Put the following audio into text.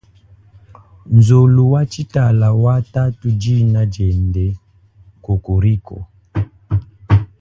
Nzolu watshitala wa tatudina diende kokoriko.